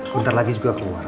bentar lagi juga keluar